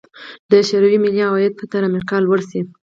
د شوروي ملي عواید به تر امریکا لوړ شي.